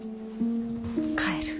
帰る。